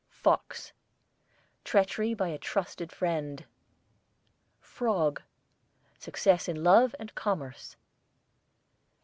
FOX, treachery by a trusted friend. FROG, success in love and commerce.